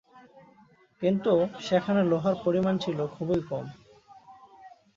কিন্তু, সেখানে লোহার পরিমাণ ছিল খুবই কম।